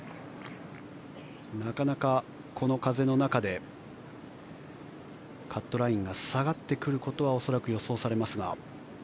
なかなかこの風の中でカットラインが下がってくることは恐らく予想されますが。